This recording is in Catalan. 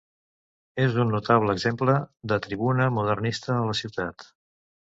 És un notable exemple de tribuna modernista a la ciutat.